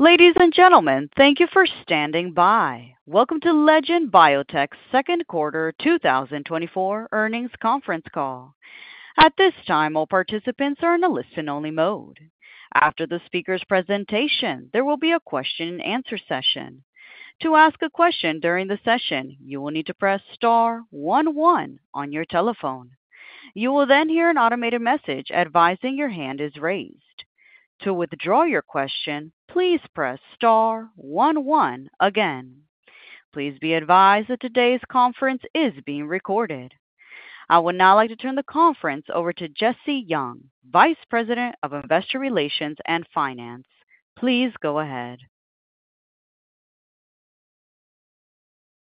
Ladies and gentlemen, thank you for standing by. Welcome to Legend Biotech's second quarter 2024 earnings conference call. At this time, all participants are in a listen-only mode. After the speaker's presentation, there will be a question and answer session. To ask a question during the session, you will need to press star one one on your telephone. You will then hear an automated message advising your hand is raised. To withdraw your question, please press star one one again. Please be advised that today's conference is being recorded. I would now like to turn the conference over to Jessie Yeung, Vice President of Investor Relations and Finance. Please go ahead.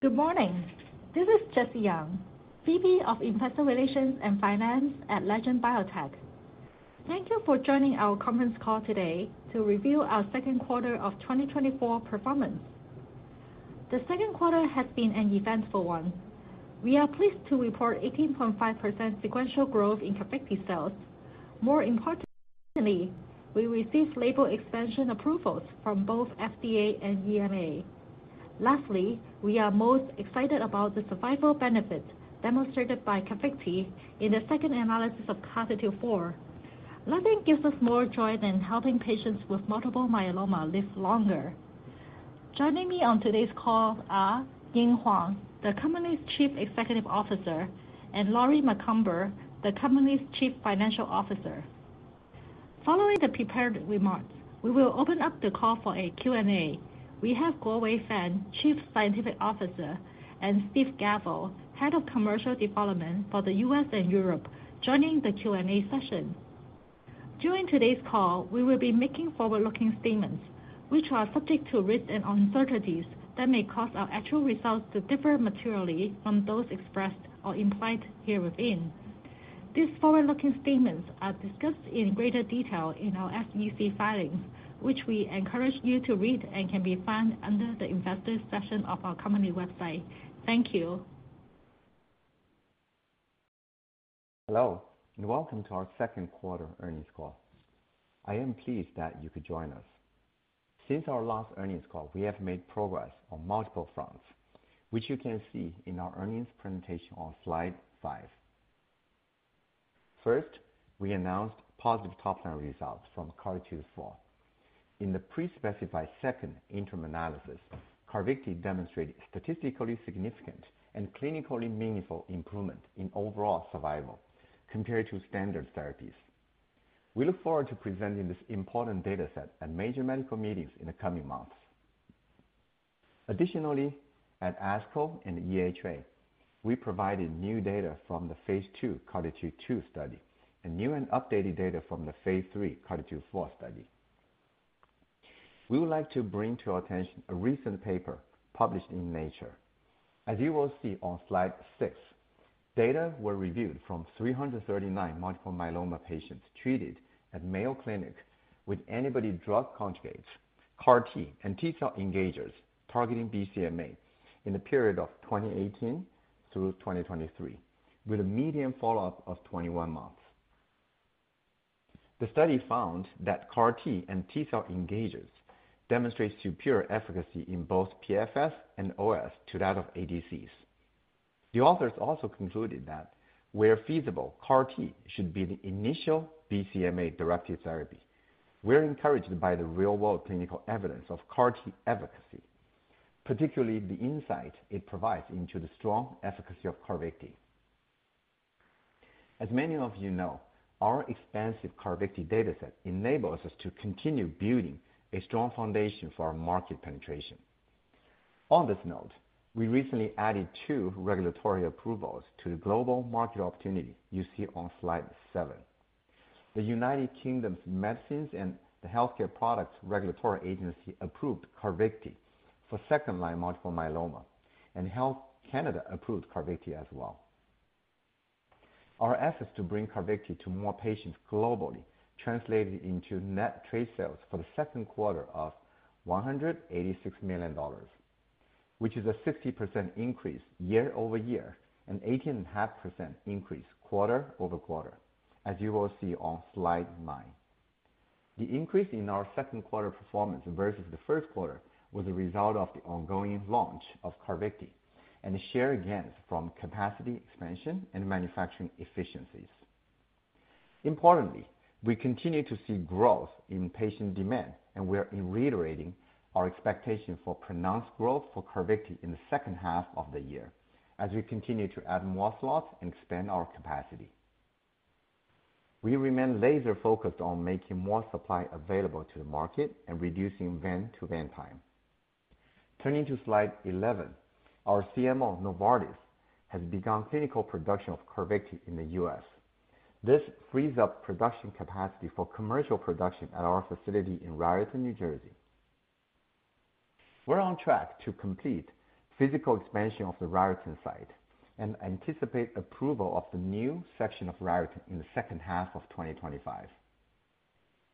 Good morning. This is Jessie Yeung, VP of Investor Relations and Finance at Legend Biotech. Thank you for joining our conference call today to review our second quarter of 2024 performance. The second quarter has been an eventful one. We are pleased to report 18.5% sequential growth in CARVYKTI sales. More importantly, we received label expansion approvals from both FDA and EMA. Lastly, we are most excited about the survival benefit demonstrated by CARVYKTI in the second analysis of CARTITUDE-4. Nothing gives us more joy than helping patients with multiple myeloma live longer. Joining me on today's call are Ying Huang, the company's Chief Executive Officer, and Lori Macomber, the company's Chief Financial Officer. Following the prepared remarks, we will open up the call for a Q&A. We have Guowei Fang, Chief Scientific Officer, and Steve Gavel, Head of Commercial Development for the U.S. and Europe, joining the Q&A session. During today's call, we will be making forward-looking statements, which are subject to risks and uncertainties that may cause our actual results to differ materially from those expressed or implied herein. These forward-looking statements are discussed in greater detail in our SEC filings, which we encourage you to read and can be found under the investor section of our company website. Thank you. Hello, and welcome to our second quarter earnings call. I am pleased that you could join us. Since our last earnings call, we have made progress on multiple fronts, which you can see in our earnings presentation on slide five. First, we announced positive top-line results from CARTITUDE-4. In the pre-specified second interim analysis, CARVYKTI demonstrated statistically significant and clinically meaningful improvement in overall survival compared to standard therapies. We look forward to presenting this important data set at major medical meetings in the coming months. Additionally, at ASCO and EHA, we provided new data from the phase II CARTITUDE-2 study and new and updated data from the phase III CARTITUDE-4 study. We would like to bring to your attention a recent paper published in Nature. As you will see on slide six, data were reviewed from 339 multiple myeloma patients treated at Mayo Clinic with antibody-drug conjugates, CAR T and T-cell engagers targeting BCMA in the period of 2018 through 2023, with a median follow-up of 21 months. The study found that CAR T and T-cell engagers demonstrates superior efficacy in both PFS and OS to that of ADCs. The authors also concluded that where feasible, CAR T should be the initial BCMA-directed therapy. We're encouraged by the real-world clinical evidence of CAR T efficacy, particularly the insight it provides into the strong efficacy of CARVYKTI. As many of you know, our expansive CARVYKTI dataset enables us to continue building a strong foundation for our market penetration. On this note, we recently added two regulatory approvals to the global market opportunity you see on slide seven. The United Kingdom's Medicines and Healthcare Products Regulatory Agency approved CARVYKTI for second-line multiple myeloma, and Health Canada approved CARVYKTI as well. Our efforts to bring CARVYKTI to more patients globally translated into net trade sales for the second quarter of $186 million, which is a 60% increase year-over-year, and 18.5% increase quarter-over-quarter, as you will see on slide nine. The increase in our second quarter performance versus the first quarter was a result of the ongoing launch of CARVYKTI and share gains from capacity expansion and manufacturing efficiencies. Importantly, we continue to see growth in patient demand, and we are reiterating our expectation for pronounced growth for CARVYKTI in the second half of the year as we continue to add more slots and expand our capacity. We remain laser-focused on making more supply available to the market and reducing vein-to-vein time. Turning to slide 11, our CMO, Novartis, has begun clinical production of CARVYKTI in the U.S. This frees up production capacity for commercial production at our facility in Raritan, New Jersey. We're on track to complete physical expansion of the Raritan site and anticipate approval of the new section of Raritan in the second half of 2025.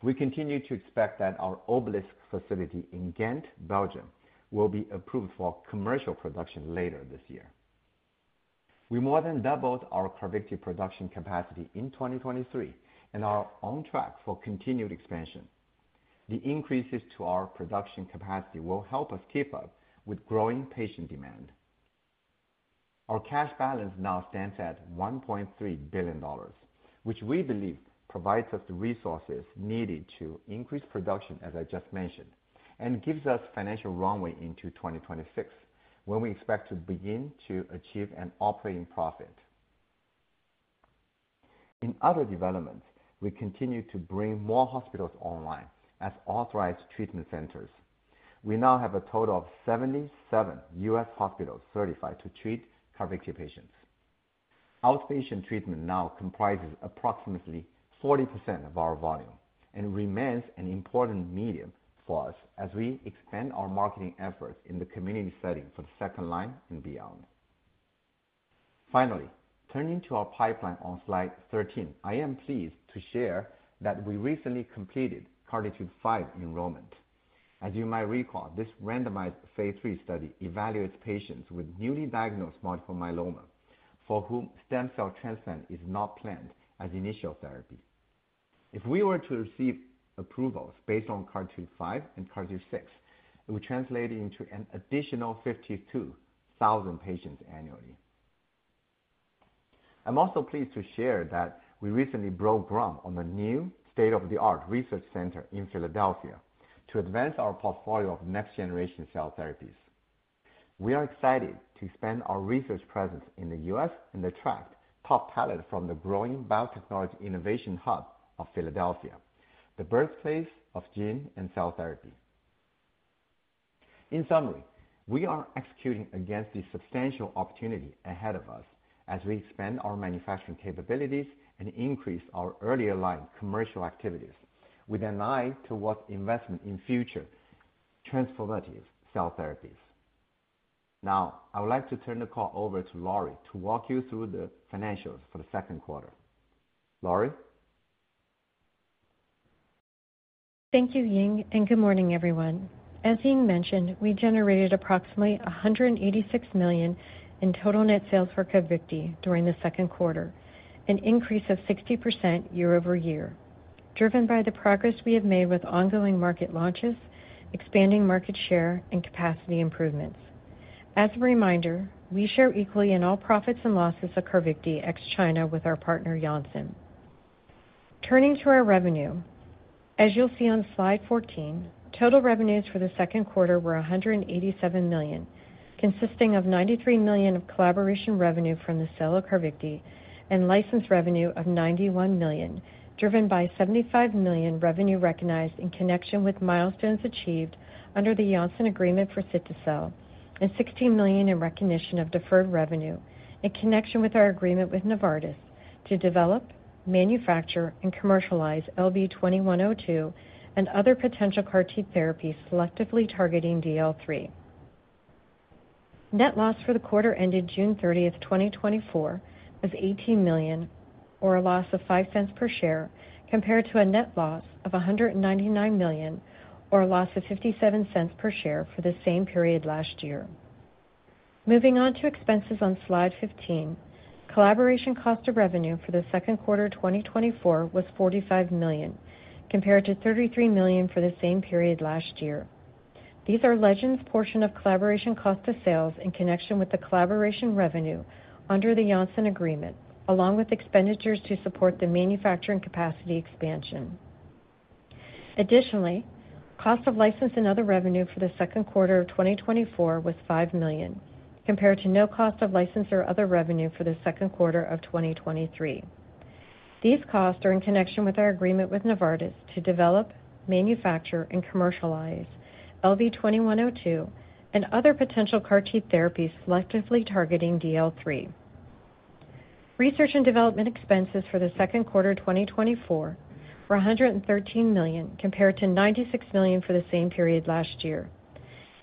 We continue to expect that our Obelisc facility in Ghent, Belgium, will be approved for commercial production later this year.... We more than doubled our CARVYKTI production capacity in 2023 and are on track for continued expansion. The increases to our production capacity will help us keep up with growing patient demand. Our cash balance now stands at $1.3 billion, which we believe provides us the resources needed to increase production, as I just mentioned, and gives us financial runway into 2026, when we expect to begin to achieve an operating profit. In other developments, we continue to bring more hospitals online as authorized treatment centers. We now have a total of 77 U.S. hospitals certified to treat CARVYKTI patients. Outpatient treatment now comprises approximately 40% of our volume and remains an important medium for us as we expand our marketing efforts in the community setting for the second line and beyond. Finally, turning to our pipeline on slide 13, I am pleased to share that we recently completed CARTITUDE-5 enrollment. As you might recall, this randomized phase III study evaluates patients with newly diagnosed multiple myeloma for whom stem cell transplant is not planned as initial therapy. If we were to receive approvals based on CARTITUDE-5 and CARTITUDE-6, it would translate into an additional 52,000 patients annually. I'm also pleased to share that we recently broke ground on a new state-of-the-art research center in Philadelphia to advance our portfolio of next-generation cell therapies. We are excited to expand our research presence in the U.S. and attract top talent from the growing biotechnology innovation hub of Philadelphia, the birthplace of gene and cell therapy. In summary, we are executing against the substantial opportunity ahead of us as we expand our manufacturing capabilities and increase our earlier-line commercial activities with an eye towards investment in future transformative cell therapies. Now, I would like to turn the call over to Lori to walk you through the financials for the second quarter. Lori? Thank you, Ying, and good morning, everyone. As Ying mentioned, we generated approximately $186 million in total net sales for CARVYKTI during the second quarter, an increase of 60% year-over-year, driven by the progress we have made with ongoing market launches, expanding market share, and capacity improvements. As a reminder, we share equally in all profits and losses of CARVYKTI ex China with our partner, Janssen. Turning to our revenue, as you'll see on slide 14, total revenues for the second quarter were $187 million, consisting of $93 million of collaboration revenue from the sale of CARVYKTI and license revenue of $91 million, driven by $75 million revenue recognized in connection with milestones achieved under the Janssen agreement for ciltacabtagene autoleucel, and $16 million in recognition of deferred revenue in connection with our agreement with Novartis to develop, manufacture, and commercialize LV2102 and other potential CAR-T therapies selectively targeting DLL3. Net loss for the quarter ended June 30, 2024, was $18 million, or a loss of $0.05 per share, compared to a net loss of $199 million, or a loss of $0.57 per share for the same period last year. Moving on to expenses on slide 15. Collaboration cost of revenue for the second quarter of 2024 was $45 million, compared to $33 million for the same period last year. These are Legend's portion of collaboration cost of sales in connection with the collaboration revenue under the Janssen agreement, along with expenditures to support the manufacturing capacity expansion. Additionally, cost of license and other revenue for the second quarter of 2024 was $5 million, compared to no cost of license or other revenue for the second quarter of 2023. These costs are in connection with our agreement with Novartis to develop, manufacture, and commercialize LV2102 and other potential CAR T therapies selectively targeting DLL3. Research and development expenses for the second quarter of 2024 were $113 million, compared to $96 million for the same period last year.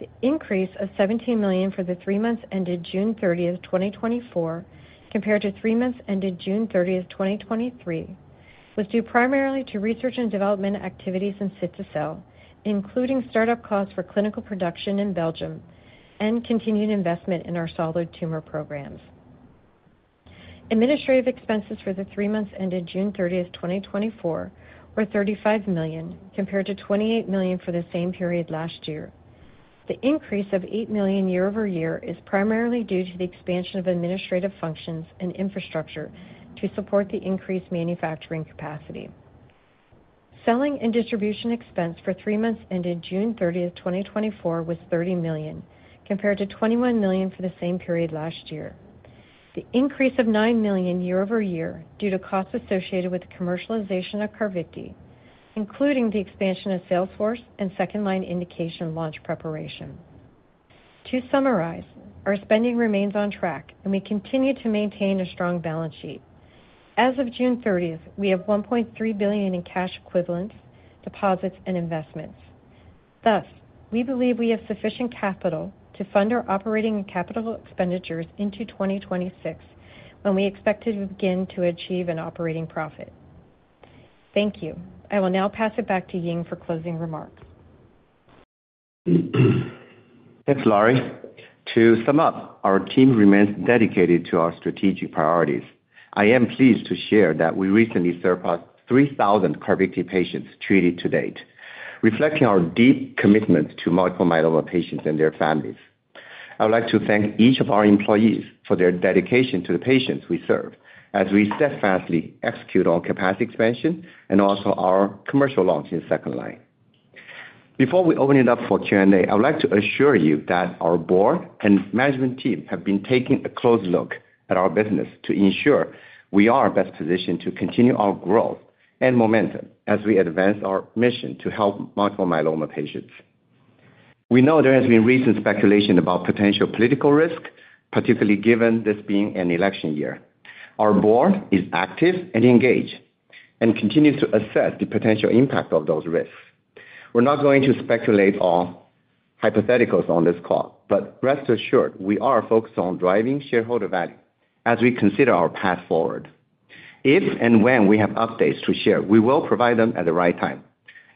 The increase of $17 million for the three months ended June 30, 2024, compared to three months ended June 30, 2023, was due primarily to research and development activities in CARVYKTI, including startup costs for clinical production in Belgium and continued investment in our solid tumor programs. Administrative expenses for the three months ended June 30, 2024, were $35 million, compared to $28 million for the same period last year. The increase of $8 million year-over-year is primarily due to the expansion of administrative functions and infrastructure to support the increased manufacturing capacity. Selling and distribution expense for three months ended June 30, 2024, was $30 million, compared to $21 million for the same period last year. The increase of $9 million year-over-year due to costs associated with the commercialization of CARVYKTI, including the expansion of salesforce and second-line indication launch preparation. To summarize, our spending remains on track, and we continue to maintain a strong balance sheet. As of June 30, we have $1.3 billion in cash equivalents, deposits, and investments. Thus, we believe we have sufficient capital to fund our operating and capital expenditures into 2026, when we expect to begin to achieve an operating profit. Thank you. I will now pass it back to Ying for closing remarks. Thanks, Lori. To sum up, our team remains dedicated to our strategic priorities. I am pleased to share that we recently surpassed 3,000 CARVYKTI patients treated to date, reflecting our deep commitment to multiple myeloma patients and their families. I would like to thank each of our employees for their dedication to the patients we serve, as we steadfastly execute on capacity expansion and also our commercial launch in second line. Before we open it up for Q&A, I would like to assure you that our board and management team have been taking a close look at our business to ensure we are best positioned to continue our growth and momentum as we advance our mission to help multiple myeloma patients. We know there has been recent speculation about potential political risk, particularly given this being an election year. Our board is active and engaged, and continues to assess the potential impact of those risks. We're not going to speculate on hypotheticals on this call, but rest assured, we are focused on driving shareholder value as we consider our path forward. If and when we have updates to share, we will provide them at the right time.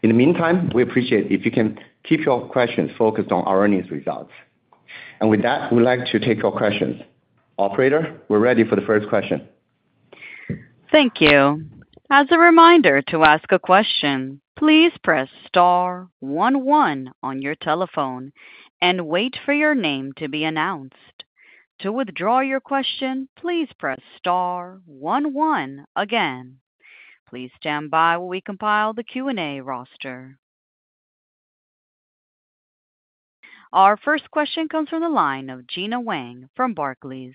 In the meantime, we appreciate if you can keep your questions focused on our earnings results. And with that, we'd like to take your questions. Operator, we're ready for the first question. Thank you. As a reminder, to ask a question, please press star one one on your telephone and wait for your name to be announced. To withdraw your question, please press star one one again. Please stand by while we compile the Q&A roster. Our first question comes from the line of Gena Wang from Barclays.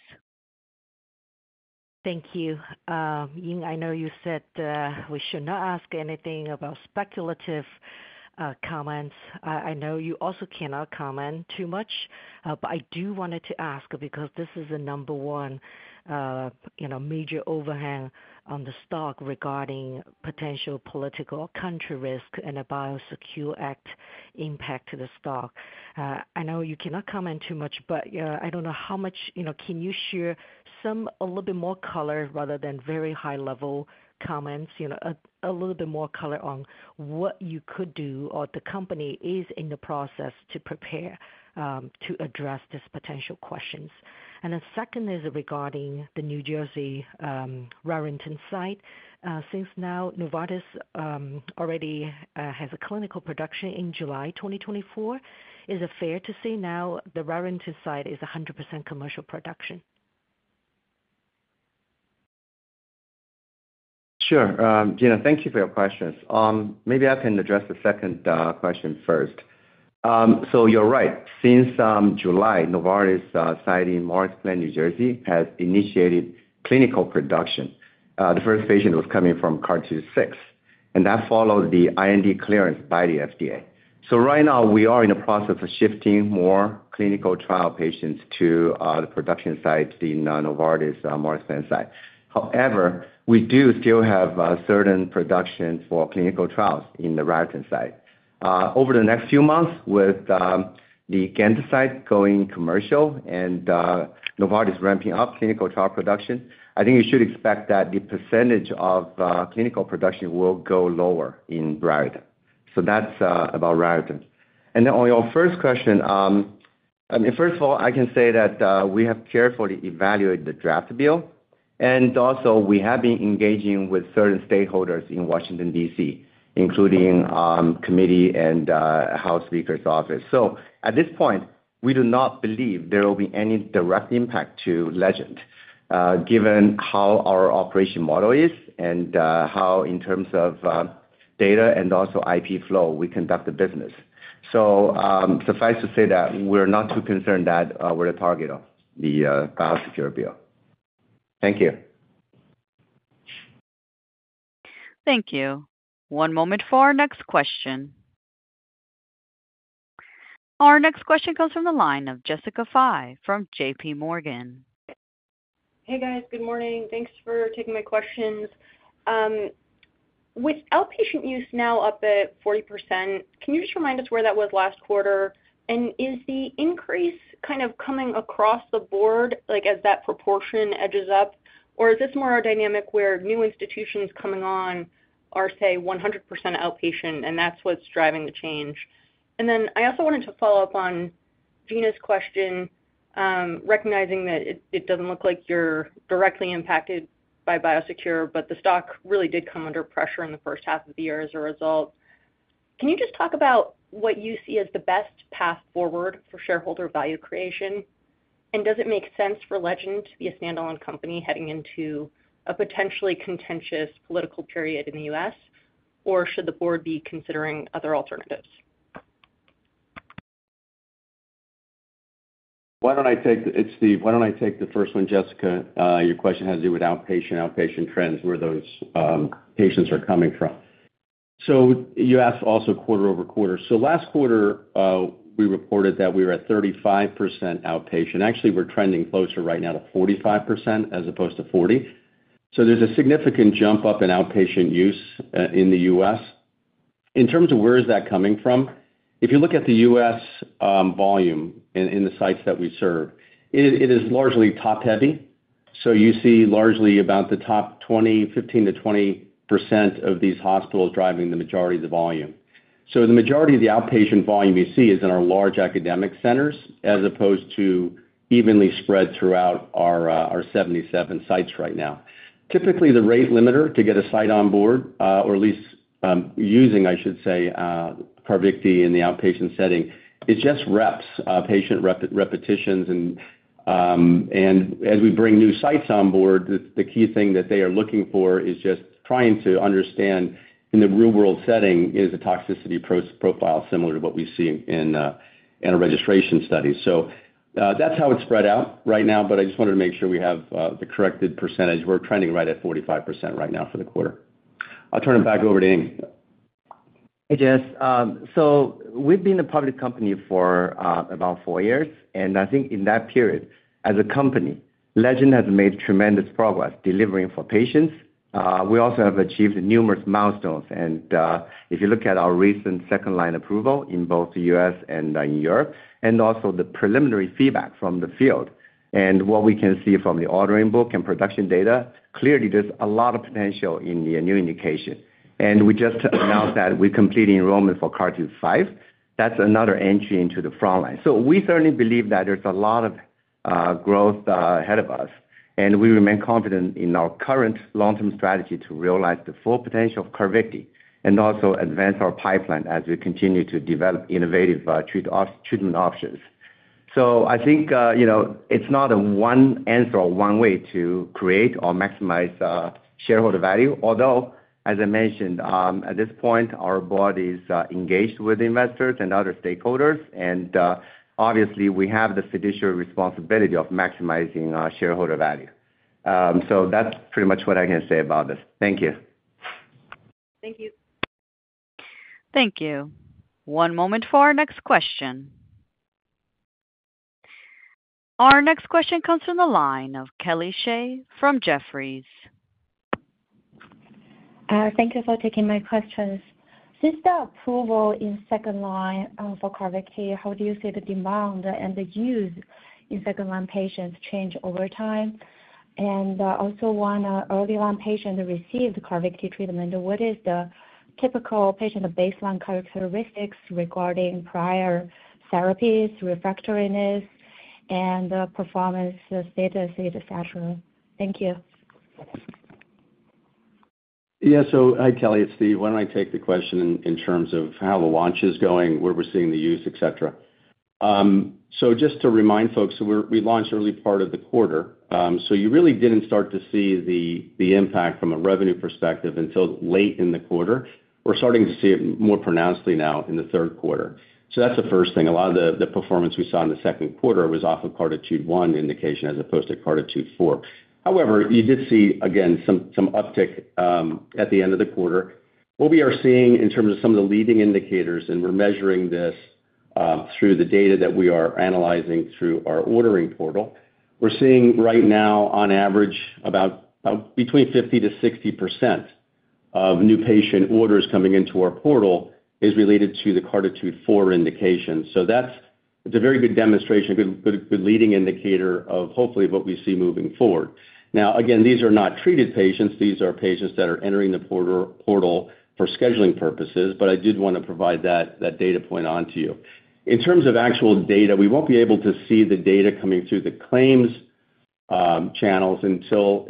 Thank you. Ying, I know you said we should not ask anything about speculative comments. I know you also cannot comment too much, but I do wanted to ask, because this is the number one, you know, major overhang on the stock regarding potential political country risk and a BIOSECURE Act impact to the stock. I know you cannot comment too much, but I don't know how much, you know, can you share some—a little bit more color rather than very high-level comments, you know, a little bit more color on what you could do or the company is in the process to prepare to address these potential questions? And then second is regarding the New Jersey Raritan site. Since now Novartis already has a clinical production in July 2024, is it fair to say now the Raritan site is 100% commercial production? Sure. Gena, thank you for your questions. Maybe I can address the second question first. So you're right. Since July, Novartis site in Morris Plains, New Jersey, has initiated clinical production. The first patient was coming from CARTITUDE-6, and that followed the IND clearance by the FDA. So right now we are in the process of shifting more clinical trial patients to the production site, the Novartis Morris Plains site. However, we do still have certain production for clinical trials in the Raritan site. Over the next few months, with the Ghent site going commercial and Novartis ramping up clinical trial production, I think you should expect that the percentage of clinical production will go lower in Raritan. So that's about Raritan. And then on your first question, I mean, first of all, I can say that we have carefully evaluated the draft bill, and also we have been engaging with certain stakeholders in Washington, D.C., including committee and House Speaker's office. So at this point, we do not believe there will be any direct impact to Legend, given how our operation model is and how, in terms of data and also IP flow, we conduct the business. So suffice to say that we're not too concerned that we're a target of the BIOSECURE Bill. Thank you. Thank you. One moment for our next question. Our next question comes from the line of Jessica Fye from JPMorgan. Hey, guys. Good morning. Thanks for taking my questions. With outpatient use now up at 40%, can you just remind us where that was last quarter? And is the increase kind of coming across the board, like, as that proportion edges up, or is this more a dynamic where new institutions coming on are, say, 100% outpatient, and that's what's driving the change? And then I also wanted to follow up on Gena's question, recognizing that it, it doesn't look like you're directly impacted by BIOSECURE, but the stock really did come under pressure in the first half of the year as a result. Can you just talk about what you see as the best path forward for shareholder value creation? Does it make sense for Legend to be a standalone company heading into a potentially contentious political period in the U.S., or should the board be considering other alternatives? Why don't I take the - it's Steve. Why don't I take the first one, Jessica? Your question has to do with outpatient, outpatient trends, where those patients are coming from. So you asked also quarter-over-quarter. So last quarter, we reported that we were at 35% outpatient. Actually, we're trending closer right now to 45% as opposed to 40%. So there's a significant jump up in outpatient use in the U.S. In terms of where is that coming from, if you look at the U.S. volume in the sites that we serve, it is largely top-heavy. So you see largely about the top 20, 15%-20% of these hospitals driving the majority of the volume. So the majority of the outpatient volume you see is in our large academic centers, as opposed to evenly spread throughout our 77 sites right now. Typically, the rate limiter to get a site on board, or at least, using, I should say, CARVYKTI in the outpatient setting, is just reps, patient repetitions. And as we bring new sites on board, the key thing that they are looking for is just trying to understand in the real-world setting, is the toxicity profile similar to what we see in a registration study? So, that's how it's spread out right now, but I just wanted to make sure we have the corrected percentage. We're trending right at 45% right now for the quarter. I'll turn it back over to Ying. Hey, Jess. So we've been a public company for about four years, and I think in that period, as a company, Legend has made tremendous progress delivering for patients. We also have achieved numerous milestones, and if you look at our recent second line approval in both the U.S. and in Europe, and also the preliminary feedback from the field, and what we can see from the ordering book and production data, clearly there's a lot of potential in the new indication. And we just announced that we're completing enrollment for CARTITUDE-5. That's another entry into the front line. So we certainly believe that there's a lot of growth ahead of us, and we remain confident in our current long-term strategy to realize the full potential of CARVYKTI, and also advance our pipeline as we continue to develop innovative treatment options. So I think, you know, it's not a one answer or one way to create or maximize shareholder value. Although, as I mentioned, at this point, our board is engaged with investors and other stakeholders, and obviously, we have the fiduciary responsibility of maximizing shareholder value. So that's pretty much what I can say about this. Thank you. Thank you. Thank you. One moment for our next question. Our next question comes from the line of Kelly Shi from Jefferies. Thank you for taking my questions. Since the approval in second-line, for CARVYKTI, how do you see the demand and the use in second-line patients change over time? Also, one early on patient received CARVYKTI treatment, what is the typical patient baseline characteristics regarding prior therapies, refractoriness, and, performance, data et cetera? Thank you. Yeah. So, hi, Kelly, it's Steve. Why don't I take the question in terms of how the launch is going, where we're seeing the use, et cetera. So just to remind folks, we launched early part of the quarter. So you really didn't start to see the impact from a revenue perspective until late in the quarter. We're starting to see it more pronouncedly now in the third quarter. So that's the first thing. A lot of the performance we saw in the second quarter was off of CARTITUDE-1 indication as opposed to CARTITUDE-4. However, you did see, again, some uptick at the end of the quarter. What we are seeing in terms of some of the leading indicators, and we're measuring this, through the data that we are analyzing through our ordering portal, we're seeing right now, on average, about, between 50%-60% of new patient orders coming into our portal is related to the CARTITUDE-4 indication. So that's. It's a very good demonstration, good, good, good leading indicator of hopefully what we see moving forward. Now, again, these are not treated patients. These are patients that are entering the portal for scheduling purposes, but I did wanna provide that, that data point on to you. In terms of actual data, we won't be able to see the data coming through the claims channels until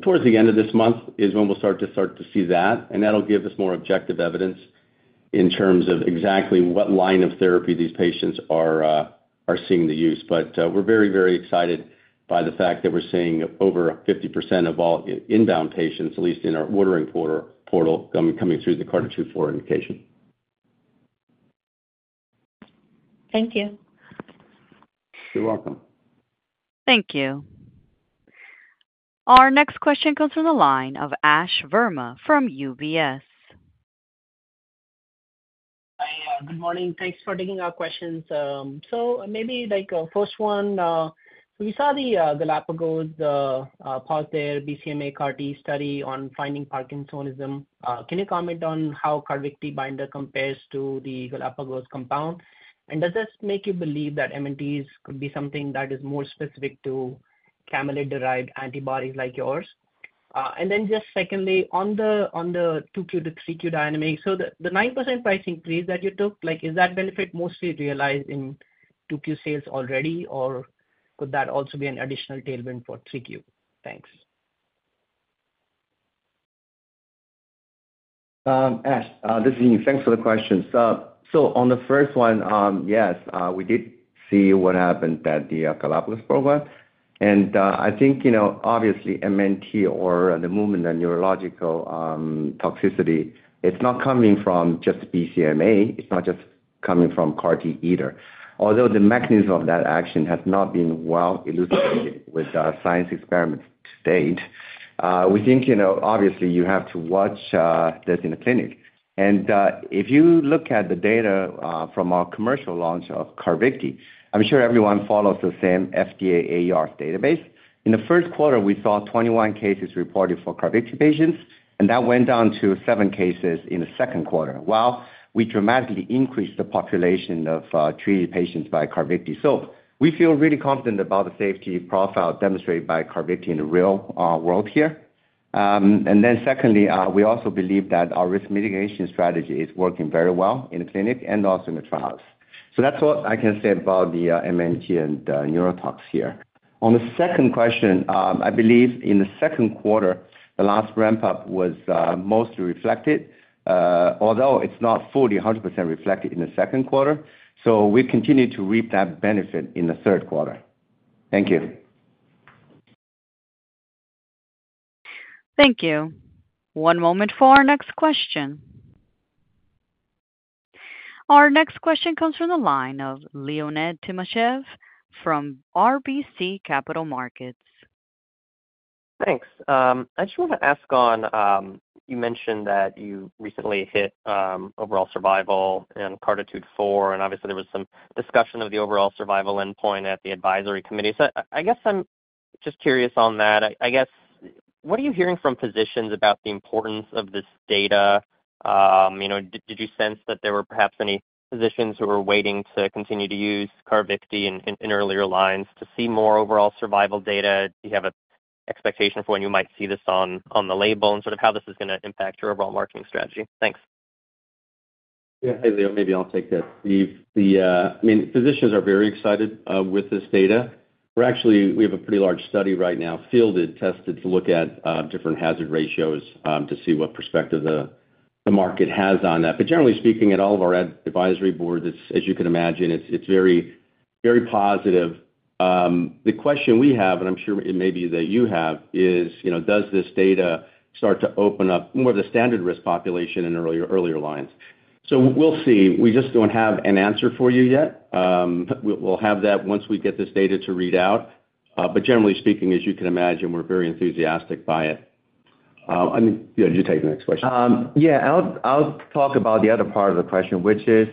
towards the end of this month, is when we'll start to see that, and that'll give us more objective evidence in terms of exactly what line of therapy these patients are seeing the use. But we're very, very excited by the fact that we're seeing over 50% of all inbound patients, at least in our ordering portal, coming through the CARTITUDE-4 indication. Thank you. You're welcome. Thank you. Our next question comes from the line of Ash Verma from UBS. Hi, good morning. Thanks for taking our questions. So maybe, like, first one, we saw the, Galápagos, pause there, BCMA CAR-T study on finding Parkinsonism. Can you comment on how CARVYKTI binder compares to the Galápagos compound? And does this make you believe that MNTs could be something that is more specific to camelid-derived antibodies like yours? And then just secondly, on the, on the 2Q to 3Q dynamic, so the, the 9% pricing increase that you took, like, is that benefit mostly realized in 2Q sales already, or could that also be an additional tailwind for 3Q? Thanks. Ash, this is Ying. Thanks for the questions. So on the first one, yes, we did see what happened at the Galápagos program. And I think, you know, obviously, MNT or the movement, the neurological toxicity, it's not coming from just BCMA, it's not just coming from CAR-T either. Although the mechanism of that action has not been well elucidated with science experiments to date, we think, you know, obviously, you have to watch this in the clinic. And if you look at the data from our commercial launch of CARVYKTI, I'm sure everyone follows the same FDA AR database. In the first quarter, we saw 21 cases reported for CARVYKTI patients, and that went down to seven cases in the second quarter, while we dramatically increased the population of treated patients by CARVYKTI. So we feel really confident about the safety profile demonstrated by CARVYKTI in the real world here. And then secondly, we also believe that our risk mitigation strategy is working very well in the clinic and also in the trials. So that's all I can say about the MNT and neurotox here. On the second question, I believe in the second quarter, the last ramp-up was mostly reflected, although it's not fully 100% reflected in the second quarter, so we've continued to reap that benefit in the third quarter. Thank you. Thank you. One moment for our next question. Our next question comes from the line of Leonid Timashev from RBC Capital Markets. Thanks. I just want to ask on, you mentioned that you recently hit overall survival in CARTITUDE-4, and obviously, there was some discussion of the overall survival endpoint at the advisory committee. So I guess I'm just curious on that. I guess, what are you hearing from physicians about the importance of this data? You know, did you sense that there were perhaps any physicians who were waiting to continue to use CARVYKTI in earlier lines to see more overall survival data? Do you have an expectation for when you might see this on the label, and sort of how this is gonna impact your overall marketing strategy? Thanks. Yeah. Hey, Leo, maybe I'll take that. I mean, physicians are very excited with this data. We're actually—we have a pretty large study right now, fielded, tested to look at different hazard ratios to see what perspective the market has on that. But generally speaking, at all of our advisory boards, as you can imagine, it's very, very positive. The question we have, and I'm sure it may be that you have, is, you know, does this data start to open up more of the standard risk population in earlier, earlier lines? So we'll see. We just don't have an answer for you yet. We'll have that once we get this data to read out. But generally speaking, as you can imagine, we're very enthusiastic by it. I mean, yeah, you take the next question. Yeah, I'll talk about the other part of the question, which is,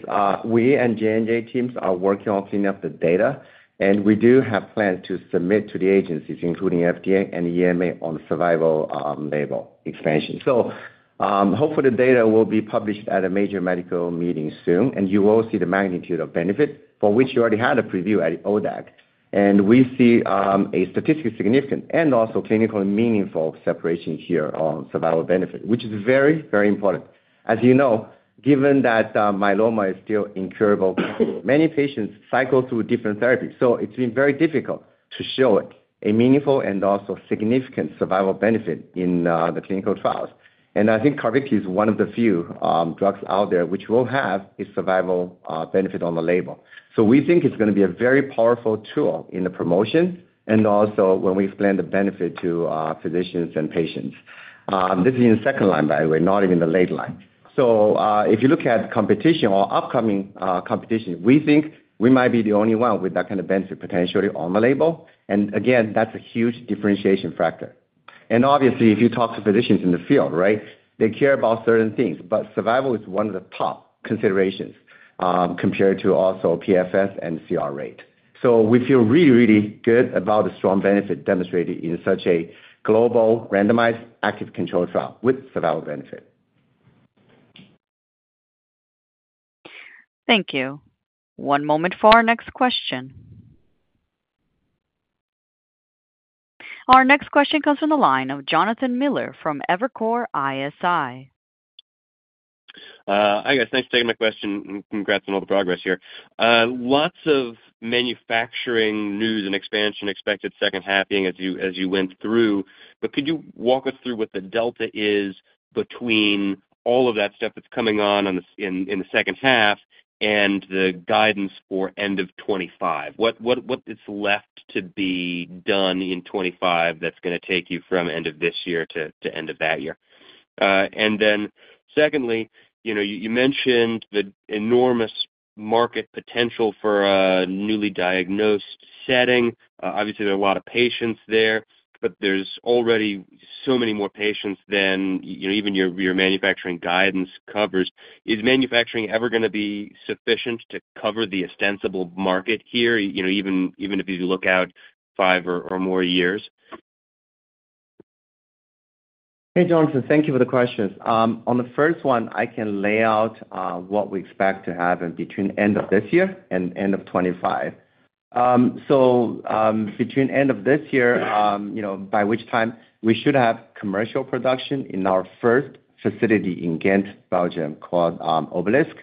we and J&J teams are working on cleaning up the data, and we do have plans to submit to the agencies, including FDA and EMA, on survival, label expansion. So, hopefully, the data will be published at a major medical meeting soon, and you will see the magnitude of benefit, for which you already had a preview at ODAC. And we see, a statistically significant and also clinically meaningful separation here on survival benefit, which is very, very important. As you know, given that, myeloma is still incurable, many patients cycle through different therapies, so it's been very difficult to show it, a meaningful and also significant survival benefit in, the clinical trials. I think CARVYKTI is one of the few drugs out there which will have a survival benefit on the label. So we think it's gonna be a very powerful tool in the promotion and also when we explain the benefit to physicians and patients. This is in the second line, by the way, not even the late line. So, if you look at competition or upcoming competition, we think we might be the only one with that kind of benefit potentially on the label. And again, that's a huge differentiation factor. And obviously, if you talk to physicians in the field, right, they care about certain things, but survival is one of the top considerations compared to also PFS and CR rate. We feel really, really good about the strong benefit demonstrated in such a global, randomized, active control trial with survival benefit. Thank you. One moment for our next question. Our next question comes from the line of Jonathan Miller from Evercore ISI. Hi, guys. Thanks for taking my question, and congrats on all the progress here. Lots of manufacturing news and expansion expected second half, being as you went through. But could you walk us through what the delta is between all of that stuff that's coming on in the second half and the guidance for end of 2025? What is left to be done in 2025 that's gonna take you from end of this year to end of that year? And then secondly, you know, you mentioned the enormous market potential for a newly diagnosed setting. Obviously, there are a lot of patients there, but there's already so many more patients than, you know, even your manufacturing guidance covers. Is manufacturing ever gonna be sufficient to cover the ostensible market here, you know, even, even if you look out five or, or more years? Hey, Jonathan, thank you for the questions. On the first one, I can lay out what we expect to happen between end of this year and end of 2025. So, between end of this year, you know, by which time we should have commercial production in our first facility in Ghent, Belgium, called Obelisc.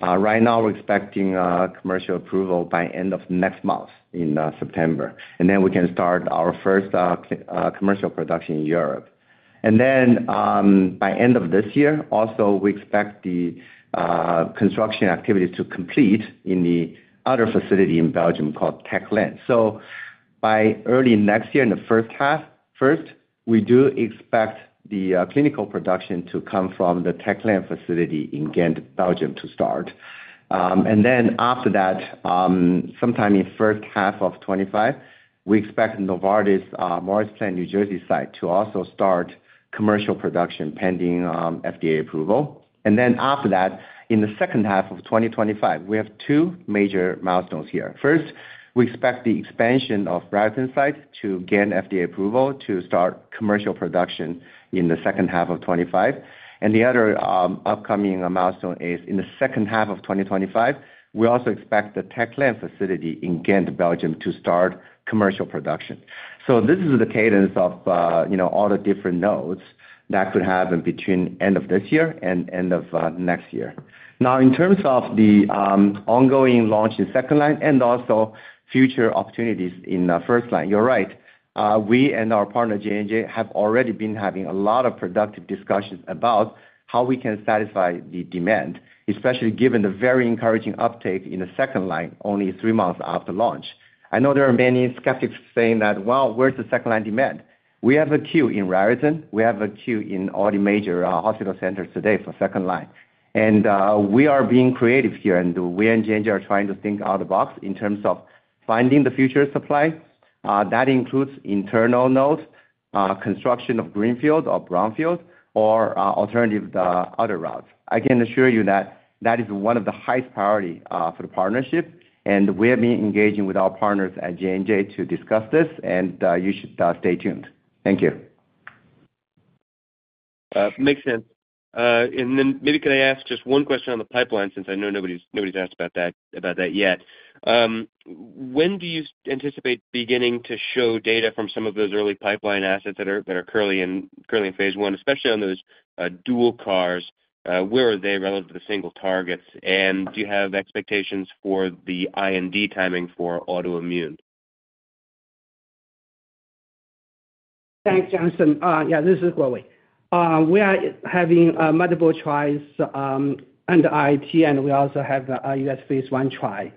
Right now we're expecting commercial approval by end of next month, in September, and then we can start our first commercial production in Europe. And then, by end of this year, also, we expect the construction activity to complete in the other facility in Belgium called Tech Lane. So by early next year, in the first half, we do expect the clinical production to come from the Tech Lane facility in Ghent, Belgium, to start. And then after that, sometime in first half of 2025. We expect Novartis, Morris Plains, New Jersey site to also start commercial production pending FDA approval. And then after that, in the second half of 2025, we have two major milestones here. First, we expect the expansion of Raritan site to gain FDA approval to start commercial production in the second half of 2025. And the other, upcoming milestone is in the second half of 2025, we also expect the Tech Lane facility in Ghent, Belgium, to start commercial production. So this is the cadence of, you know, all the different nodes that could happen between end of this year and end of next year. Now, in terms of the ongoing launch in second line and also future opportunities in first line, you're right. We and our partner, J&J, have already been having a lot of productive discussions about how we can satisfy the demand, especially given the very encouraging uptake in the second line, only three months after launch. I know there are many skeptics saying that, "Well, where's the second line demand?" We have a queue in Raritan, we have a queue in all the major hospital centers today for second line. We are being creative here, and we and J&J are trying to think out-of-the-box in terms of finding the future supply. That includes internal nodes, construction of greenfield or brownfield or alternative other routes. I can assure you that that is one of the highest priority for the partnership, and we have been engaging with our partners at J&J to discuss this, and you should stay tuned. Thank you. Makes sense. And then maybe can I ask just one question on the pipeline, since I know nobody's asked about that yet. When do you anticipate beginning to show data from some of those early pipeline assets that are currently in phase I, especially on those dual CARs? Where are they relative to the single targets? And do you have expectations for the IND timing for autoimmune? Thanks, Jonathan. Yeah, this is Guowei. We are having multiple trials under IT, and we also have a US phase I trial.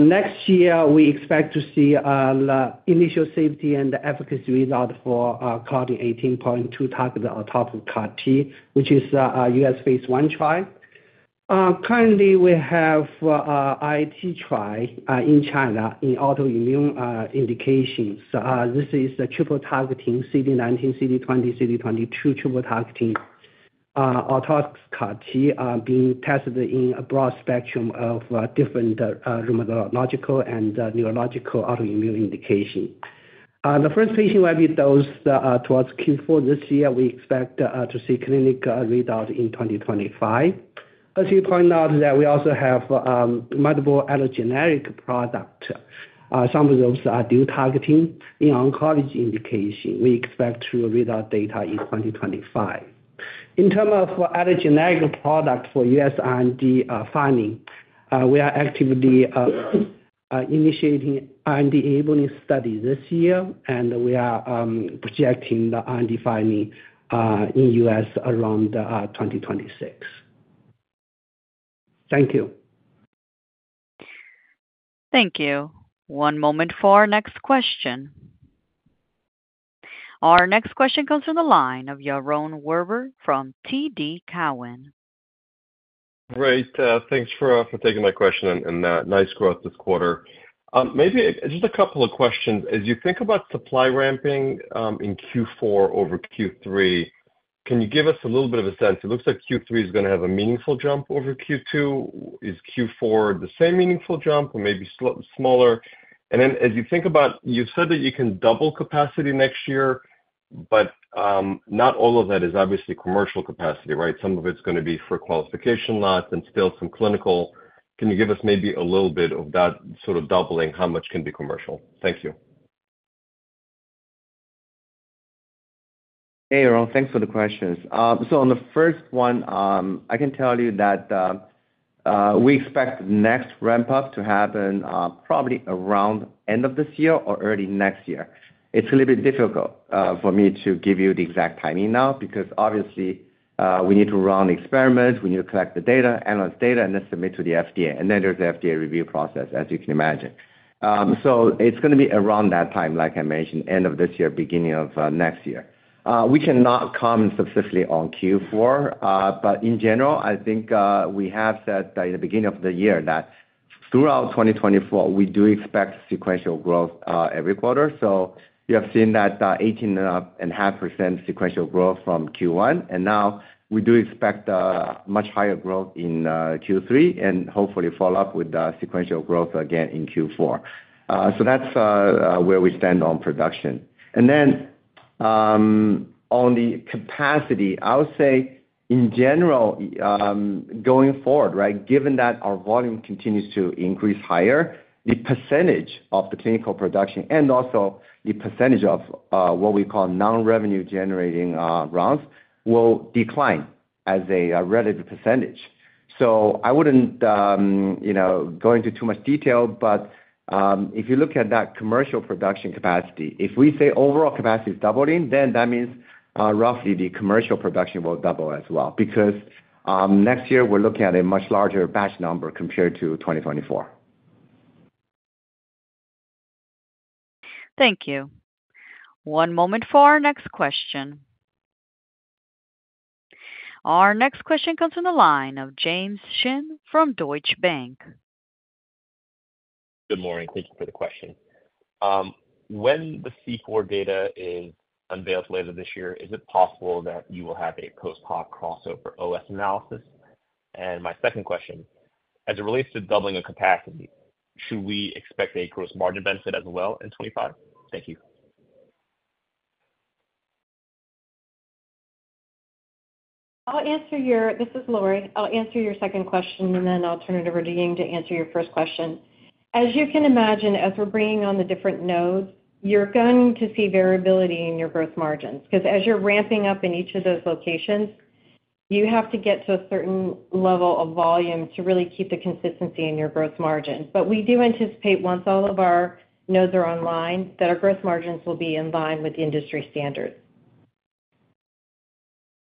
Next year, we expect to see the initial safety and efficacy result for CAR T 18.2 target on top of CAR T, which is a US phase I trial. Currently, we have IT trial in China in autoimmune indications. This is a triple targeting CD19, CD20, CD22 triple targeting autologous CAR T being tested in a broad spectrum of different rheumatological and neurological autoimmune indication. The first patient will be dosed towards Q4 this year. We expect to see clinical readout in 2025. As you point out, that we also have multiple allogeneic product. Some of those are dual targeting. In oncology indication, we expect to read out data in 2025. In terms of allogeneic product for U.S. IND filing, we are actively initiating IND-enabling study this year, and we are projecting the IND filing in U.S. around 2026. Thank you. Thank you. One moment for our next question. Our next question comes from the line of Yaron Werber from TD Cowen. Great. Thanks for taking my question and nice growth this quarter. Maybe just a couple of questions. As you think about supply ramping in Q4 over Q3, can you give us a little bit of a sense? It looks like Q3 is gonna have a meaningful jump over Q2. Is Q4 the same meaningful jump or maybe smaller? And then as you think about. You've said that you can double capacity next year, but not all of that is obviously commercial capacity, right? Some of it's gonna be for qualification lots and still some clinical. Can you give us maybe a little bit of that sort of doubling? How much can be commercial? Thank you. Hey, Yaron, thanks for the questions. So on the first one, I can tell you that, we expect next ramp-up to happen, probably around end of this year or early next year. It's a little bit difficult, for me to give you the exact timing now, because obviously, we need to run experiments, we need to collect the data, analyze data, and then submit to the FDA. And then there's the FDA review process, as you can imagine. So it's gonna be around that time, like I mentioned, end of this year, beginning of, next year. We cannot comment successfully on Q4, but in general, I think, we have said at the beginning of the year that throughout 2024, we do expect sequential growth, every quarter. So you have seen that, 18.5% sequential growth from Q1, and now we do expect a much higher growth in Q3, and hopefully follow up with the sequential growth again in Q4. So that's where we stand on production. And then, on the capacity, I would say, in general, going forward, right, given that our volume continues to increase higher, the percentage of the clinical production and also the percentage of what we call non-revenue generating rounds will decline as a relative percentage. So I wouldn't, you know, go into too much detail, but, if you look at that commercial production capacity, if we say overall capacity is doubling, then that means, roughly the commercial production will double as well, because, next year we're looking at a much larger batch number compared to 2024. Thank you. One moment for our next question.... Our next question comes from the line of James Shin from Deutsche Bank. Good morning. Thank you for the question. When the C4 data is unveiled later this year, is it possible that you will have a post hoc crossover OS analysis? And my second question, as it relates to doubling of capacity, should we expect a gross margin benefit as well in 2025? Thank you. I'll answer your second question. This is Lori. I'll answer your second question, and then I'll turn it over to Ying to answer your first question. As you can imagine, as we're bringing on the different nodes, you're going to see variability in your gross margins, 'cause as you're ramping up in each of those locations, you have to get to a certain level of volume to really keep the consistency in your gross margin. But we do anticipate, once all of our nodes are online, that our grows margins will be in line with industry standards.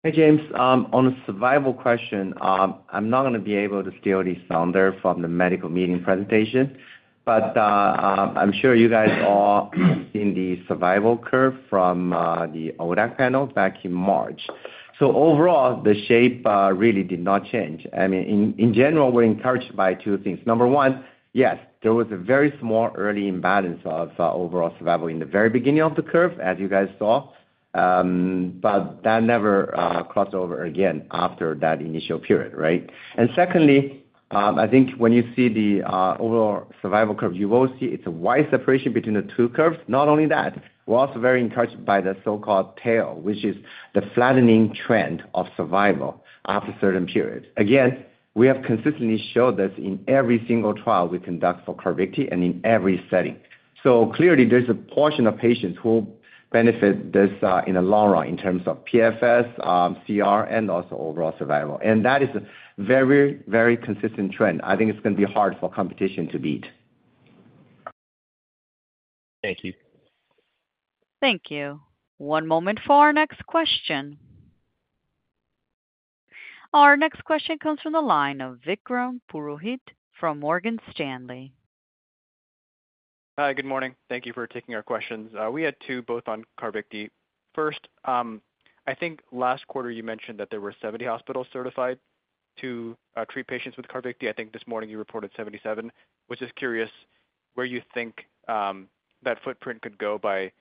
Hey, James, on a survival question, I'm not gonna be able to steal the thunder from the medical meeting presentation, but, I'm sure you guys all have seen the survival curve from, the ODAC panel back in March. So overall, the shape, really did not change. I mean, in general, we're encouraged by two things. Number one, yes, there was a very small early imbalance of, overall survival in the very beginning of the curve, as you guys saw, but that never, crossed over again after that initial period, right? And secondly, I think when you see the, overall survival curve, you will see it's a wide separation between the two curves. Not only that, we're also very encouraged by the so-called tail, which is the flattening trend of survival after a certain period. Again, we have consistently showed this in every single trial we conduct for CARVYKTI and in every setting. So clearly, there's a portion of patients who will benefit this in the long run, in terms of PFS, CR, and also overall survival. And that is a very, very consistent trend. I think it's gonna be hard for competition to beat. Thank you. Thank you. One moment for our next question. Our next question comes from the line of Vikram Purohit from Morgan Stanley. Hi, good morning. Thank you for taking our questions. We had two, both on CARVYKTI. First, I think last quarter you mentioned that there were 70 hospitals certified to treat patients with CARVYKTI. I think this morning you reported 77. Was just curious where you think that footprint could go by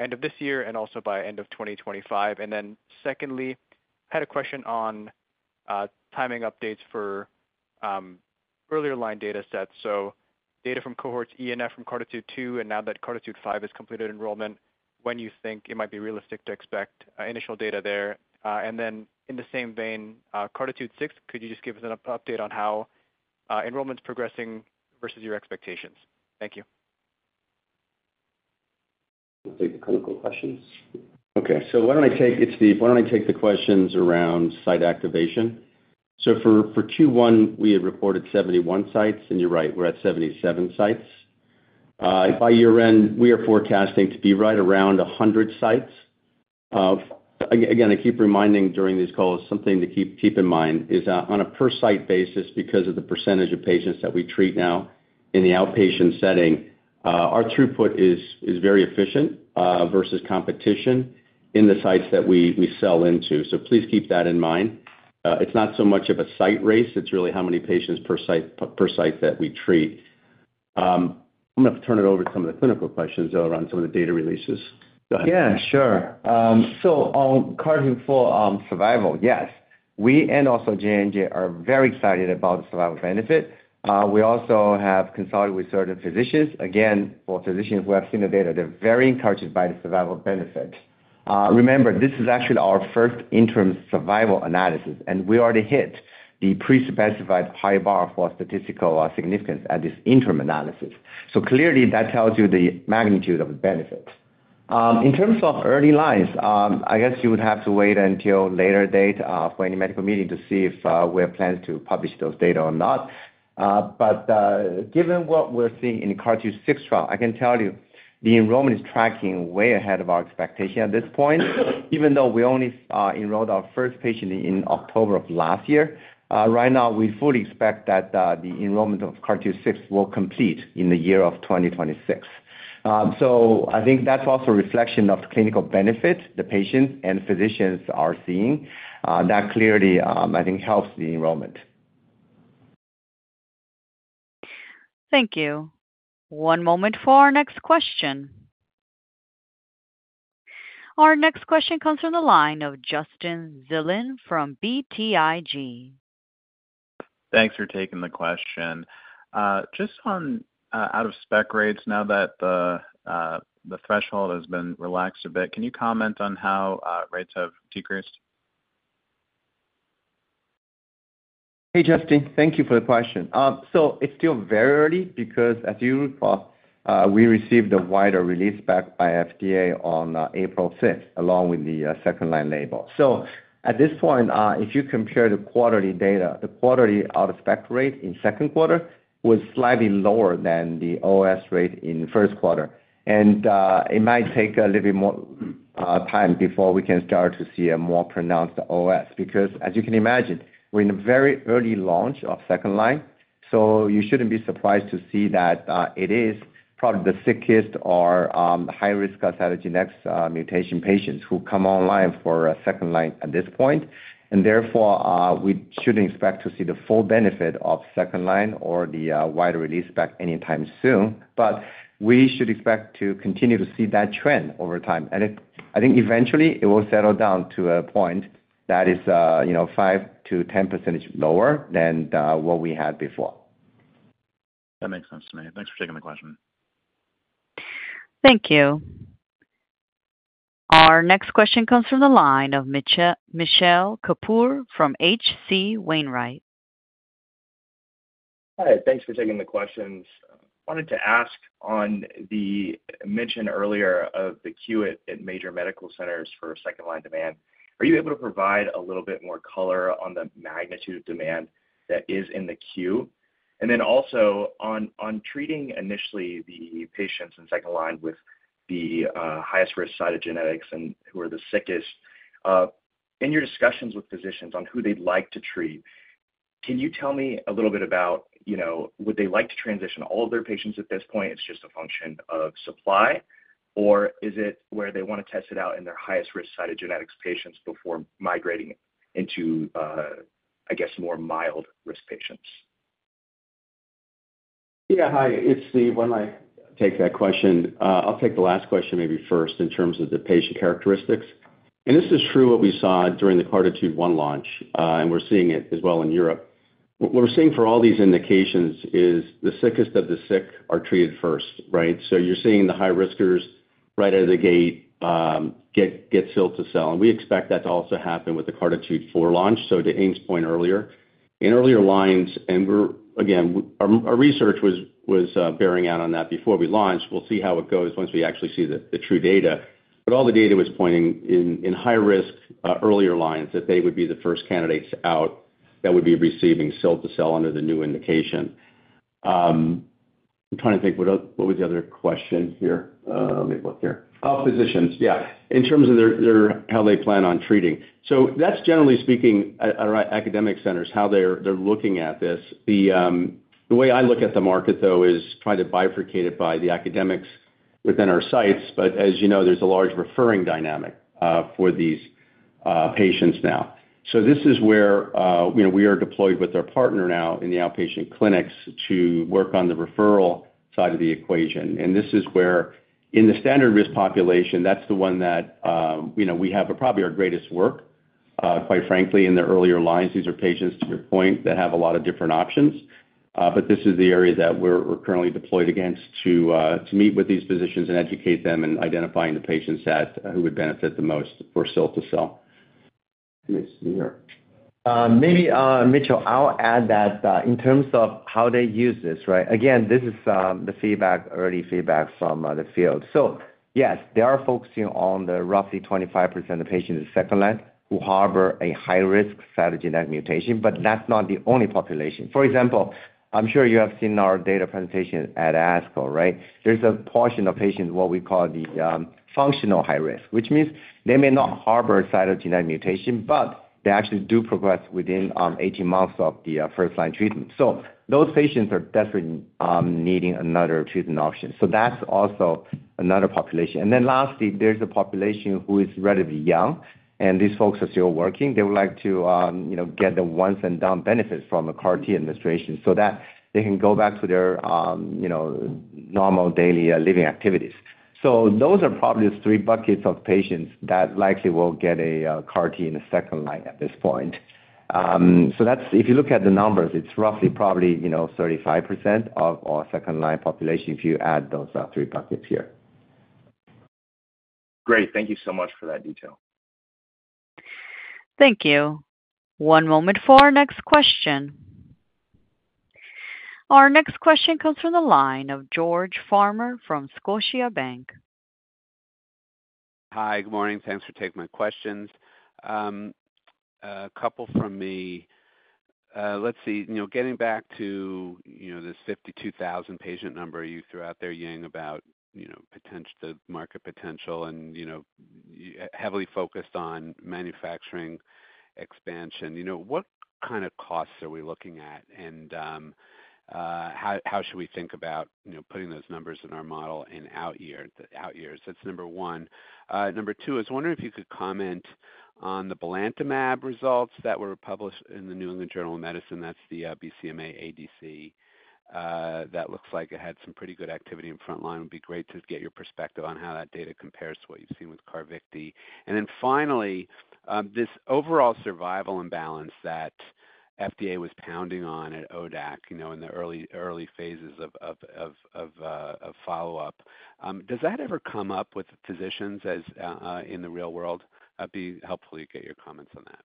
end of this year and also by end of 2025? And then secondly, had a question on timing updates for earlier line data sets. So data from cohorts E and F from CARTITUDE-2, and now that CARTITUDE-5 has completed enrollment, when you think it might be realistic to expect initial data there. And then in the same vein, CARTITUDE-6, could you just give us an update on how enrollment's progressing versus your expectations? Thank you. I'll take the clinical questions. Okay, so why don't I take -- it's Steve, why don't I take the questions around site activation? So for Q1, we had reported 71 sites, and you're right, we're at 77 sites. By year-end, we are forecasting to be right around 100 sites. Again, I keep reminding during these calls, something to keep in mind is on a per site basis, because of the percentage of patients that we treat now in the outpatient setting, our throughput is very efficient versus competition in the sites that we sell into. So please keep that in mind. It's not so much of a site race, it's really how many patients per site that we treat. I'm gonna turn it over to some of the clinical questions around some of the data releases. Go ahead. Yeah, sure. So on CARTITUDE-4 for survival, yes, we and also J&J are very excited about the survival benefit. We also have consulted with certain physicians. Again, for physicians who have seen the data, they're very encouraged by the survival benefit. Remember, this is actually our first interim survival analysis, and we already hit the pre-specified high bar for statistical significance at this interim analysis. So clearly, that tells you the magnitude of the benefit. In terms of early lines, I guess you would have to wait until later date for any medical meeting to see if we have plans to publish those data or not. But, given what we're seeing in the CARTITUDE-6 trial, I can tell you the enrollment is tracking way ahead of our expectation at this point, even though we only enrolled our first patient in October of last year. Right now, we fully expect that the enrollment of CARTITUDE-6 will complete in the year of 2026. So I think that's also a reflection of the clinical benefit the patients and physicians are seeing, that clearly, I think, helps the enrollment. Thank you. One moment for our next question. Our next question comes from the line of Justin Zilin from BTIG. Thanks for taking the question. Just on out-of-spec rates, now that the threshold has been relaxed a bit, can you comment on how rates have decreased? Hey, Justin, thank you for the question. So it's still very early because, as you recall, we received a wider release spec by FDA on April 6th, along with the second line label. So at this point, if you compare the quarterly data, the quarterly out-of-spec rate in second quarter was slightly lower than the OS rate in the first quarter. And it might take a little bit more time before we can start to see a more pronounced OS, because as you can imagine, we're in a very early launch of second line. So you shouldn't be surprised to see that it is probably the sickest or high-risk cytogenetics mutation patients who come online for a second line at this point. Therefore, we shouldn't expect to see the full benefit of second line or the wider release spec anytime soon. But we should expect to continue to see that trend over time. And it, I think eventually it will settle down to a point that is, you know, 5%-10% lower than what we had before. That makes sense to me. Thanks for taking the question. Thank you. Our next question comes from the line of Mitchell Kapoor from H.C. Wainwright. Hi, thanks for taking the questions. I wanted to ask on the mention earlier of the queue at major medical centers for second line demand. Are you able to provide a little bit more color on the magnitude of demand that is in the queue? And then also on treating initially the patients in second line with the highest risk cytogenetics and who are the sickest, in your discussions with physicians on who they'd like to treat, can you tell me a little bit about, you know, would they like to transition all of their patients at this point? It's just a function of supply, or is it where they want to test it out in their highest-risk cytogenetics patients before migrating into, I guess, more mild risk patients? Yeah. Hi, it's Steve. Why don't I take that question? I'll take the last question maybe first, in terms of the patient characteristics. And this is true what we saw during the CARTITUDE-1 launch, and we're seeing it as well in Europe. What we're seeing for all these indications is the sickest of the sick are treated first, right? So you're seeing the high riskers right out of the gate, get cilta-cel, and we expect that to also happen with the CARTITUDE-4 launch. So to Ying's point earlier, in earlier lines, and we're again, our research was bearing out on that before we launched. We'll see how it goes once we actually see the true data But all the data was pointing in, in high risk, earlier lines, that they would be the first candidates out that would be receiving cilta-cel under the new indication. I'm trying to think, what was the other question here? Let me look here. Oh, physicians. Yeah, in terms of their, how they plan on treating. So that's generally speaking, at our academic centers, how they're looking at this. The way I look at the market, though, is try to bifurcate it by the academics within our sites. But as you know, there's a large referring dynamic for these patients now. So this is where, you know, we are deployed with our partner now in the outpatient clinics to work on the referral side of the equation. This is where, in the Standard Risk population, that's the one that, you know, we have probably our greatest work, quite frankly, in the earlier lines. These are patients, to your point, that have a lot of different options, but this is the area that we're currently deployed against to meet with these physicians and educate them in identifying the patients that, who would benefit the most for cilta-cel. Yes, Ying Huang. Maybe, Mitchell, I'll add that, in terms of how they use this, right? Again, this is, the feedback, early feedback from, the field. So yes, they are focusing on the roughly 25% of patients in second line who harbor a high-risk cytogenetic mutation, but that's not the only population. For example, I'm sure you have seen our data presentation at ASCO, right? There's a portion of patients, what we call the, functional high risk, which means they may not harbor a cytogenetic mutation, but they actually do progress within, 18 months of the, first-line treatment. So those patients are desperately, needing another treatment option. So that's also another population. And then lastly, there's a population who is relatively young, and these folks are still working. They would like to, you know, get the once and done benefits from a CAR T administration so that they can go back to their, you know, normal daily, living activities. So those are probably the three buckets of patients that likely will get a CAR T in the second line at this point. So that's. If you look at the numbers, it's roughly probably, you know, 35% of our second line population, if you add those three buckets here. Great. Thank you so much for that detail. Thank you. One moment for our next question. Our next question comes from the line of George Farmer from Scotiabank. Hi, good morning. Thanks for taking my questions. A couple from me. Let's see. You know, getting back to, you know, this 52,000 patient number you threw out there, Ying, about, you know, potent- the market potential and, you know, heavily focused on manufacturing expansion. You know, what kind of costs are we looking at? And how should we think about, you know, putting those numbers in our model in out year, out years? That's number one. Number two, I was wondering if you could comment on the belantamab results that were published in the New England Journal of Medicine. That's the BCMA ADC. That looks like it had some pretty good activity in frontline. It'd be great to get your perspective on how that data compares to what you've seen with CARVYKTI. And then finally, this overall survival imbalance that FDA was pounding on at ODAC, you know, in the early, early phases of follow-up, does that ever come up with physicians as in the real world? That'd be helpful to get your comments on that.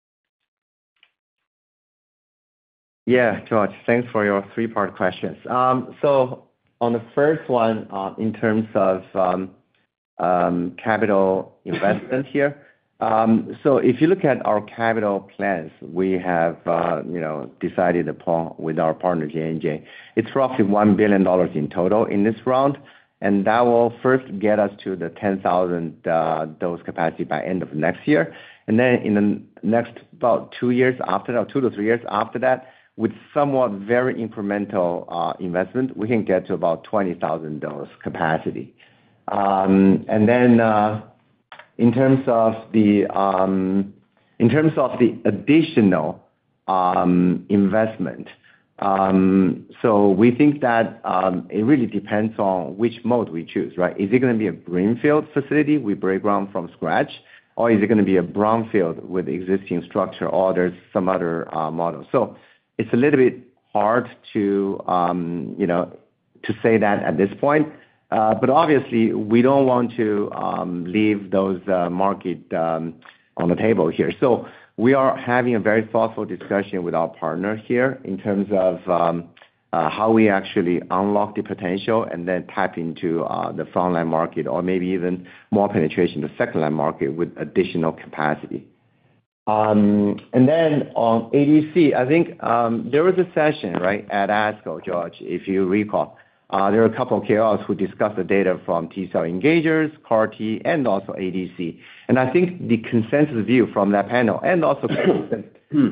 Yeah, George, thanks for your three-part questions. So on the first one, in terms of capital investment here, so if you look at our capital plans, we have, you know, decided upon with our partner, J&J-... It's roughly $1 billion in total in this round, and that will first get us to the 10,000 dose capacity by end of next year. And then in the next about two years after that, two to three years after that, with somewhat very incremental investment, we can get to about 20,000 dose capacity. And then, in terms of the, in terms of the additional investment, so we think that it really depends on which mode we choose, right? Is it gonna be a greenfield facility, we break ground from scratch, or is it gonna be a brownfield with existing structure, or there's some other, model? So it's a little bit hard to, you know, to say that at this point, but obviously we don't want to, leave those, market, on the table here. So we are having a very thoughtful discussion with our partner here in terms of, how we actually unlock the potential and then tap into, the front-line market or maybe even more penetration, the second-line market with additional capacity. And then on ADC, I think, there was a session, right, at ASCO, George, if you recall. There were a couple of KOLs who discussed the data from T-cell engagers, CAR T, and also ADC. I think the consensus view from that panel, and also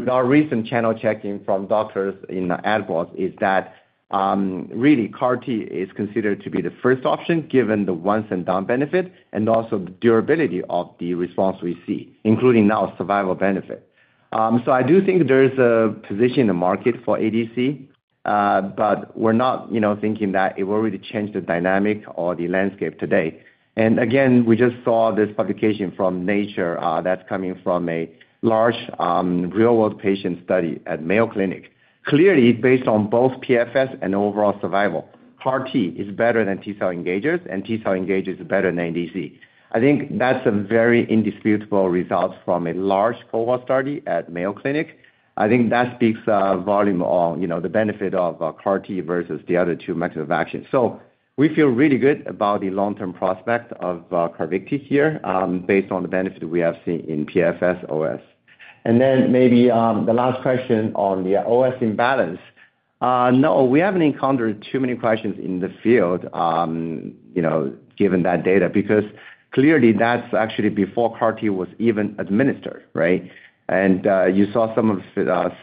our recent channel checking from doctors and advocates, is that, really, CAR T is considered to be the first option, given the once and done benefit and also the durability of the response we see, including now survival benefit. So I do think there is a position in the market for ADC, but we're not, you know, thinking that it will really change the dynamic or the landscape today. Again, we just saw this publication from Nature, that's coming from a large, real-world patient study at Mayo Clinic. Clearly, based on both PFS and overall survival, CAR T is better than T-cell engagers, and T-cell engagers are better than ADC. I think that's a very indisputable results from a large cohort study at Mayo Clinic. I think that speaks volume on, you know, the benefit of CAR T versus the other two methods of action. So we feel really good about the long-term prospect of CARVYKTI here, based on the benefit we have seen in PFS OS. And then maybe the last question on the OS imbalance. No, we haven't encountered too many questions in the field, you know, given that data, because clearly that's actually before CAR T was even administered, right? And you saw some of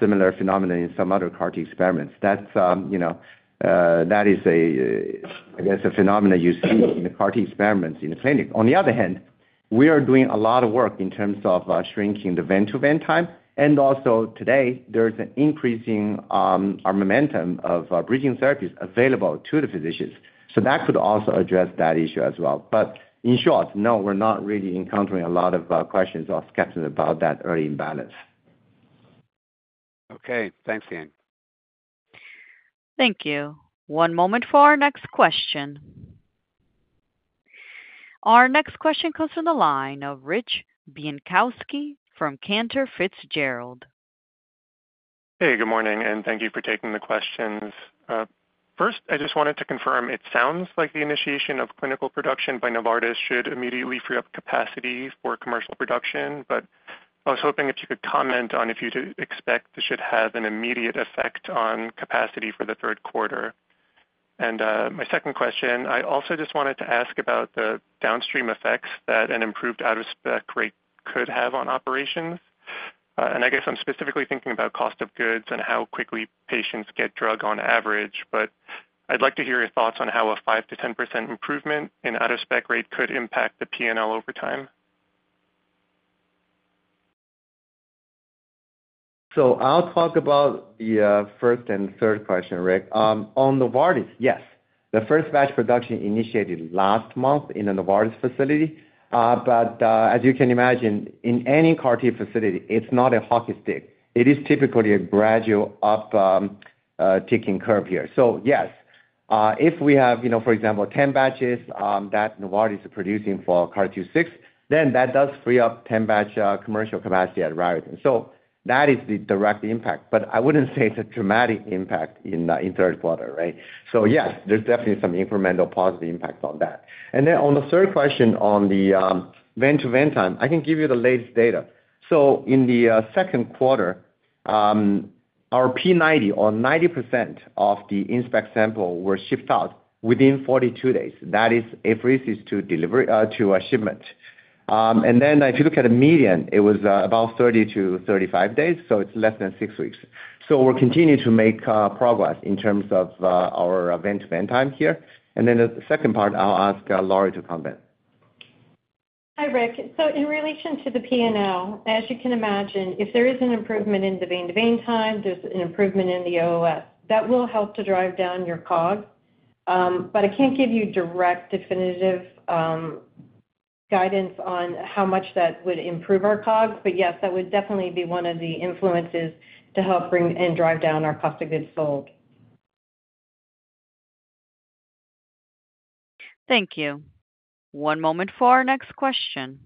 similar phenomena in some other CAR T experiments. That's, you know, that is a, I guess, a phenomena you see in the CAR T experiments in the clinic. On the other hand, we are doing a lot of work in terms of shrinking the vein-to-vein time, and also today, there is an increasing momentum of bridging therapies available to the physicians. So that could also address that issue as well. But in short, no, we're not really encountering a lot of questions or skepticism about that early imbalance. Okay. Thanks, Ying. Thank you. One moment for our next question. Our next question comes from the line of Rick Bienkowski from Cantor Fitzgerald. Hey, good morning, and thank you for taking the questions. First, I just wanted to confirm, it sounds like the initiation of clinical production by Novartis should immediately free up capacity for commercial production, but I was hoping if you could comment on if you do expect this should have an immediate effect on capacity for the third quarter? My second question, I also just wanted to ask about the downstream effects that an improved out-of-spec rate could have on operations. I guess I'm specifically thinking about cost of goods and how quickly patients get drug on average, but I'd like to hear your thoughts on how a 5%-10% improvement in out-of-spec rate could impact the P&L over time. So I'll talk about the first and third question, Rick. On Novartis, yes, the first batch production initiated last month in the Novartis facility. But as you can imagine, in any CAR T facility, it's not a hockey stick. It is typically a gradual up ticking curve here. So yes, if we have, you know, for example, 10 batches that Novartis is producing for CARTITUDE-6, then that does free up 10 batch commercial capacity at Raritan. So that is the direct impact, but I wouldn't say it's a dramatic impact in the third quarter, right? So yes, there's definitely some incremental positive impacts on that. And then on the third question, on the vein-to-vein time, I can give you the latest data. In the second quarter, our P90, or 90% of the in-spec sample, were shipped out within 42 days. That is, if this is to delivery to a shipment. Then if you look at the median, it was about 30-35 days, so it's less than six weeks. We'll continue to make progress in terms of our vein-to-vein time here. Then the second part, I'll ask Lori to comment. Hi, Rick. In relation to the P&L, as you can imagine, if there is an improvement in the vein-to-vein time, there's an improvement in the OOS. That will help to drive down your COG, but I can't give you direct definitive guidance on how much that would improve our COG. But yes, that would definitely be one of the influences to help bring and drive down our cost of goods sold. Thank you. One moment for our next question.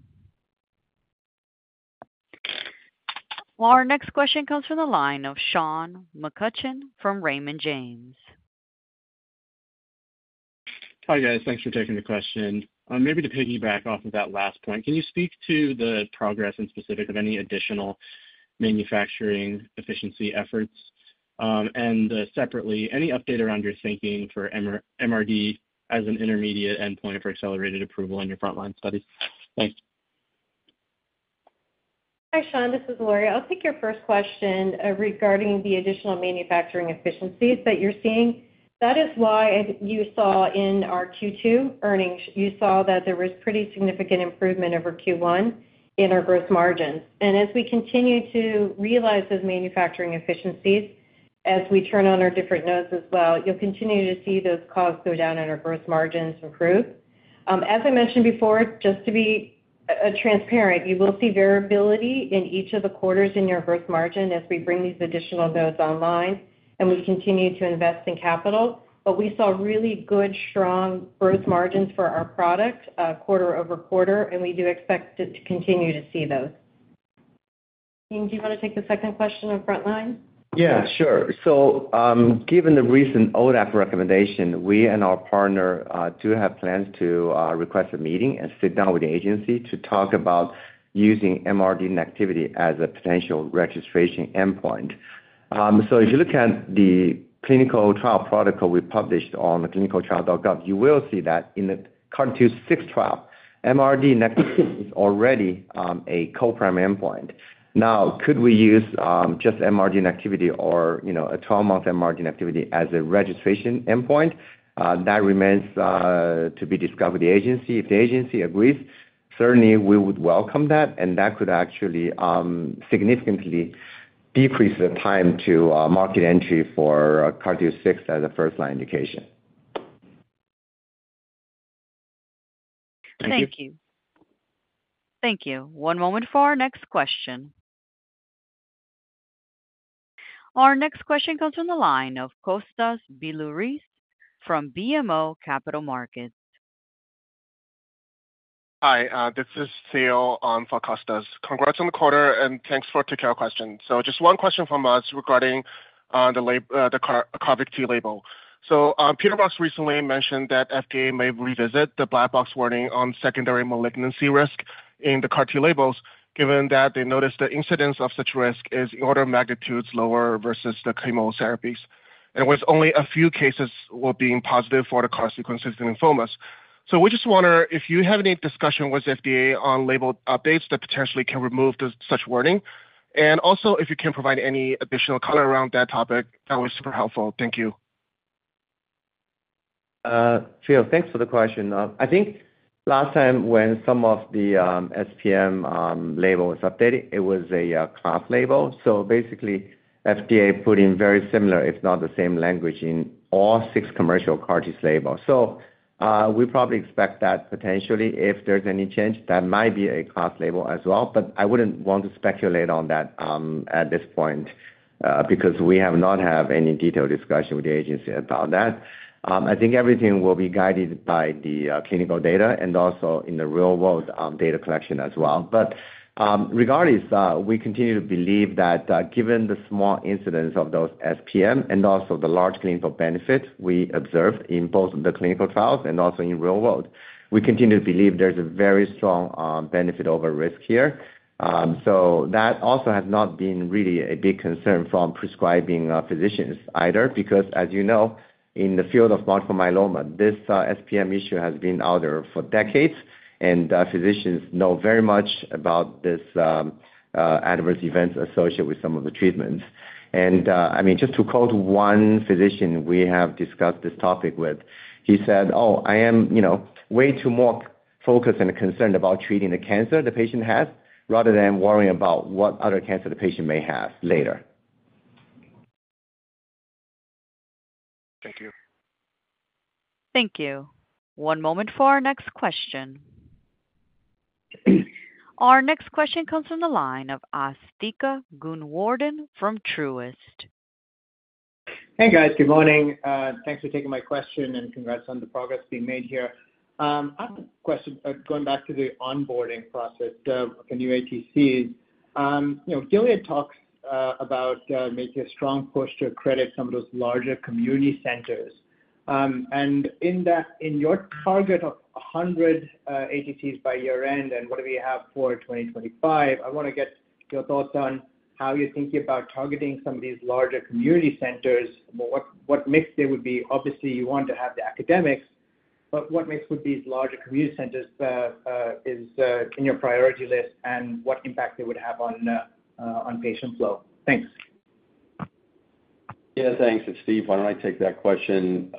Our next question comes from the line of Sean McCutcheon from Raymond James. Hi, guys. Thanks for taking the question. Maybe to piggyback off of that last point, can you speak to the progress and specifics of any additional manufacturing efficiency efforts? And, separately, any update around your thinking for MRD as an intermediate endpoint for accelerated approval in your frontline studies? Thanks. Hi, Sean, this is Lori. I'll take your first question, regarding the additional manufacturing efficiencies that you're seeing. That is why you saw in our Q2 earnings, you saw that there was pretty significant improvement over Q1 in our growth margins. And as we continue to realize those manufacturing efficiencies, as we turn on our different nodes as well, you'll continue to see those costs go down and our growth margins improve. As I mentioned before, just to be transparent, you will see variability in each of the quarters in your growth margin as we bring these additional nodes online, and we continue to invest in capital. But we saw really good, strong growth margins for our product, quarter-over-quarter, and we do expect to continue to see those. Ying, do you want to take the second question on frontline? Yeah, sure. So, given the recent ODAC recommendation, we and our partner do have plans to request a meeting and sit down with the agency to talk about using MRD negativity as a potential registration endpoint. So if you look at the clinical trial protocol we published on ClinicalTrials.gov, you will see that in the CARTITUDE-6 trial, MRD negativity is already a co-primary endpoint. Now, could we use just MRD negativity or, you know, a 12-month MRD negativity as a registration endpoint? That remains to be discovered with the agency. If the agency agrees, certainly we would welcome that, and that could actually significantly decrease the time to market entry for CARTITUDE-6 as a first-line indication. Thank you. Thank you. Thank you. One moment for our next question. Our next question comes from the line of Kostas Biliouris from BMO Capital Markets. Hi, this is Theo for Kostas. Congrats on the quarter, and thanks for taking our question. So just one question from us regarding the CARVYKTI label. So, Peter Marks recently mentioned that FDA may revisit the black box warning on secondary malignancy risk in the CAR T labels, given that they noticed the incidence of such risk is order of magnitudes lower versus the chemotherapies, and with only a few cases were being positive for the consequences of lymphomas. So we just wonder if you have any discussion with FDA on label updates that potentially can remove the such wording, and also if you can provide any additional color around that topic, that was super helpful. Thank you. Theo, thanks for the question. I think last time when some of the SPM label was updated, it was a class label, so basically, FDA put in very similar, if not the same language, in all six commercial CAR T labels. So, we probably expect that potentially, if there's any change, that might be a class label as well, but I wouldn't want to speculate on that, at this point, because we have not have any detailed discussion with the agency about that. I think everything will be guided by the clinical data and also in the real-world data collection as well. But, regardless, we continue to believe that, given the small incidence of those SPM and also the large clinical benefit we observed in both the clinical trials and also in real world, we continue to believe there's a very strong, benefit over risk here. So that also has not been really a big concern from prescribing, physicians either, because as you know, in the field of multiple myeloma, this, SPM issue has been out there for decades, and, physicians know very much about this, adverse events associated with some of the treatments. And, I mean, just to quote one physician we have discussed this topic with, he said, "Oh, I am, you know, way too more focused and concerned about treating the cancer the patient has, rather than worrying about what other cancer the patient may have later. Thank you. Thank you. One moment for our next question. Our next question comes from the line of Asthika Goonewardene from Truist. Hey, guys. Good morning. Thanks for taking my question, and congrats on the progress being made here. I have a question, going back to the onboarding process of the new ATCs. You know, Gilead talks about making a strong push to accredit some of those larger community centers. And in that in your target of 100 ATCs by year-end, and what do we have for 2025, I wanna get your thoughts on how you're thinking about targeting some of these larger community centers. What, what mix they would be? Obviously, you want to have the academics, but what mix would these larger community centers is in your priority list and what impact they would have on on patient flow? Thanks. Yeah, thanks. It's Steve. Why don't I take that question?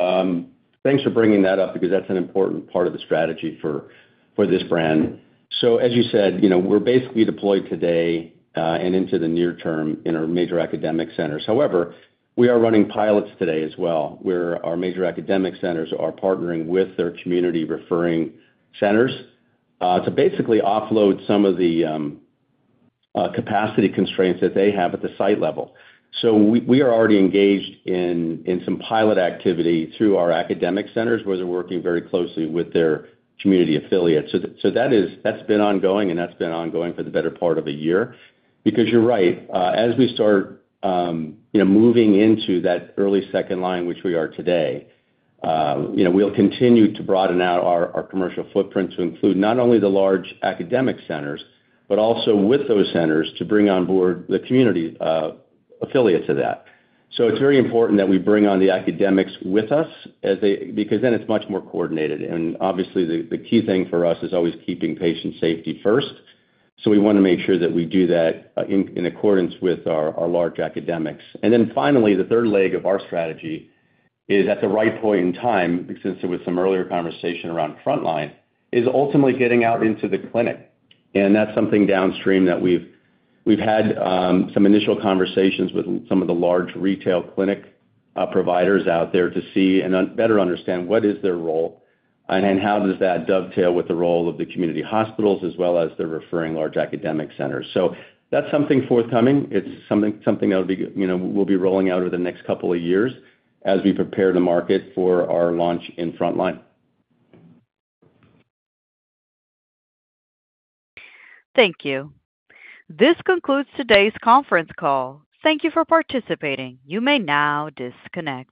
Thanks for bringing that up because that's an important part of the strategy for this brand. So as you said, you know, we're basically deployed today and into the near term in our major academic centers. However, we are running pilots today as well, where our major academic centers are partnering with their community referring centers to basically offload some of the capacity constraints that they have at the site level. So we are already engaged in some pilot activity through our academic centers, where they're working very closely with their community affiliates. So that is... That's been ongoing, and that's been ongoing for the better part of a year. Because you're right, as we start, you know, moving into that early second line, which we are today, you know, we'll continue to broaden out our commercial footprint to include not only the large academic centers, but also with those centers to bring on board the community affiliates to that. So it's very important that we bring on the academics with us as they—because then it's much more coordinated, and obviously the key thing for us is always keeping patient safety first. So we wanna make sure that we do that, in accordance with our large academics. And then finally, the third leg of our strategy is, at the right point in time, since there was some earlier conversation around frontline, is ultimately getting out into the clinic, and that's something downstream that we've had some initial conversations with some of the large retail clinic providers out there to see and better understand what is their role and then how does that dovetail with the role of the community hospitals as well as the referring large academic centers. So that's something forthcoming. It's something that'll be, you know, we'll be rolling out over the next couple of years as we prepare the market for our launch in frontline. Thank you. This concludes today's conference call. Thank you for participating. You may now disconnect.